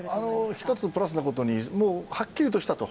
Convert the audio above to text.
一つプラスなことにはっきりしたと。